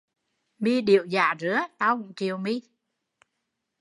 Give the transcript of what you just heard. Mi đểu giả rứa, tau cũng chịu mi